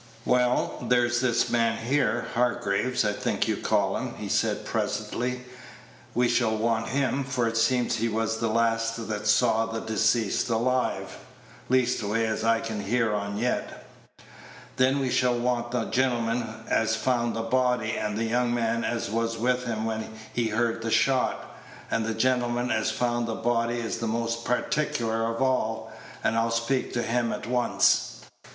"Well, there's this man here, Hargraves, I think you called him," he said presently, "we shall want him; for it seems he was the last that saw the deceased alive, leastways as I can hear on yet; then we shall want the gentleman as found the body, and the young man as was with him when he heard the shot: the gentleman as found the body is the most particklar of all, and I'll speak to him at once."